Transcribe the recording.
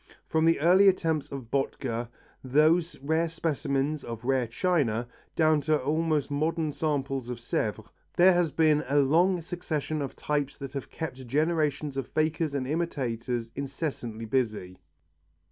From the early attempts of Bottger, those rare specimens of rare china, down to almost modern samples of Sèvres there has been a long succession of types that have kept generations of fakers and imitators incessantly busy.